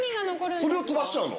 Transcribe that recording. それを飛ばしちゃうの？